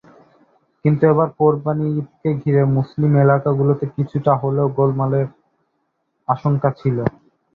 কিন্তু এবার কোরবানি ঈদকে ঘিরে মুসলিম এলাকাগুলোতে কিছুটা হলেও গোলমালের আশঙ্কা ছিল।